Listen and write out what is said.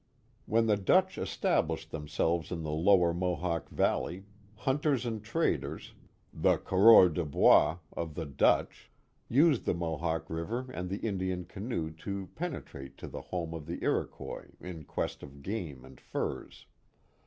When the Dutch established themselves in the lower Mo hawk Valley, hunters and traders, the courreur dc bois of the Dutch, used the Mohawk River and the Indian canoe to pen etrate to the home of the Iroquois in quest of game and furs.